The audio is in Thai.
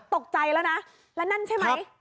ตกใจแล้วนะแล้วนั่นใช่ไหม